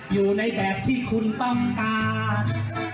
อยู่ในแบบที่คุณต้องการ